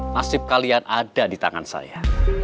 nasib kalian ada di tangan saya